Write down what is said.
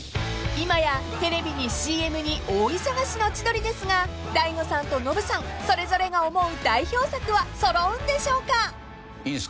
［今やテレビにＣＭに大忙しの千鳥ですが大悟さんとノブさんそれぞれが思う代表作は揃うんでしょうか？］